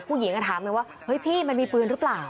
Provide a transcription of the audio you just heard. ผู้หญิงจะถามแล้วว่าเฮ้ยพี่มันมีพื้นรึเปล่า